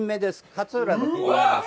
勝浦の金目です。